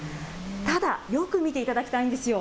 ただ、よく見ていただきたいんですよ。